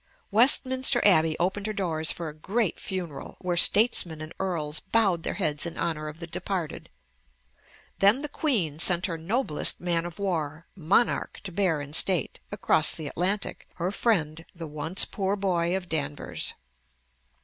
Westminster Abbey opened her doors for a great funeral, where statesmen and earls bowed their heads in honor of the departed. Then the Queen sent her noblest man of war, "Monarch," to bear in state, across the Atlantic, "her friend," the once poor boy of Danvers.